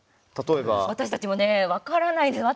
私たちもね、分からない。